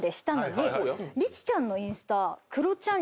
リチちゃんのインスタ。